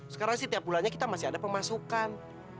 sekarang sih tiap bulannya kita masih ada pemasukan